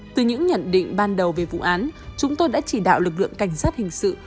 từ những nhận định ban đầu về vụ án chúng tôi đã chỉ đạo lực lượng cảnh sát hình sự